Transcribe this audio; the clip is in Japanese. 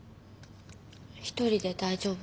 一人で大丈夫。